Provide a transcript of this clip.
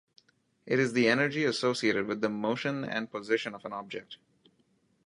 It is the energy associated with the motion and position of an object.